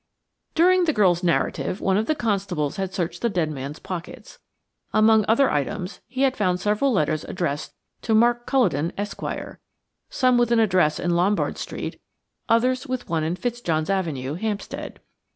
During the girl's narrative one of the constables had searched the dead man's pockets. Among other items, he had found several letters addressed to Mark Culledon, Esq., some with an address in Lombard Street, others with one in Fitzjohn's Avenue, Hampstead.